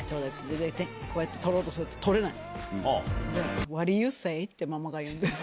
こうやって取ろうとすると取れない。